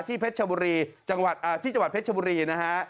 ที่จังหวัดเพชรชบุรีนะฮะ